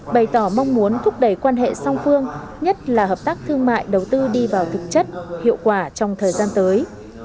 bày tỏ mong muốn thúc đẩy quan hệ song phương nhất là hợp tác thương mại đầu tư đi vào thực chất hiệu quả trong thời gian tới